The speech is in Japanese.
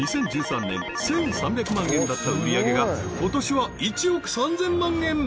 ２０１３年１３００万円だった売り上げが今年は１億３０００万円